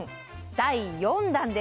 第４弾です。